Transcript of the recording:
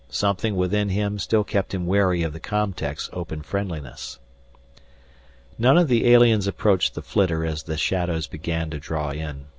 Something within him still kept him wary of the com tech's open friendliness. None of the aliens approached the flitter as the shadows began to draw in.